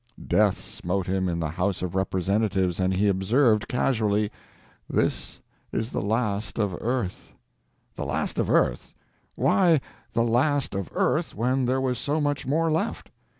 Death smote him in the House of Representatives, and he observed, casually, "This is the last of earth." The last of earth! Why "the last of earth" when there was so much more left?